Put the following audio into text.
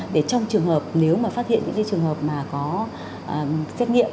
để trong trường hợp nếu mà phát hiện những trường hợp mà có xét nghiệm